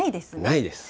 ないです。